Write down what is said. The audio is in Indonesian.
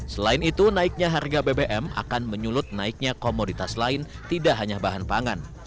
selain itu naiknya harga bbm akan menyulut naiknya komoditas lain tidak hanya bahan pangan